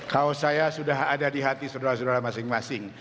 kaos saya sudah ada di hati saudara saudara masing masing